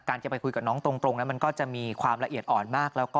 การจะไปคุยกับเขาตรงมันก็จะมีความละเอียดอ่อนมาก